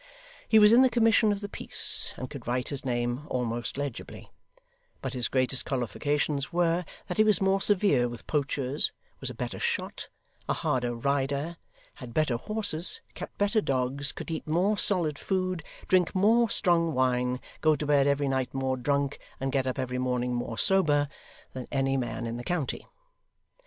He was in the commission of the peace, and could write his name almost legibly; but his greatest qualifications were, that he was more severe with poachers, was a better shot, a harder rider, had better horses, kept better dogs, could eat more solid food, drink more strong wine, go to bed every night more drunk and get up every morning more sober, than any man in the county.